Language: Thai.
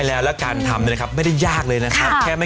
เป็นกอนทำแล้วนะครับไม่ได้ยากเลยนะครับเห็นไหม